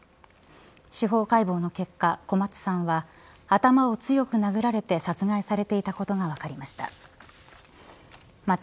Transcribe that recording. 司法解剖の結果、小松さんは頭を強く殴られて殺害されていたことが分かりました。